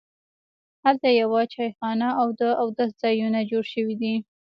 هلته یوه چایخانه او د اودس ځایونه جوړ شوي دي.